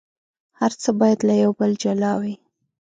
هر څه باید له یو بل جلا وي.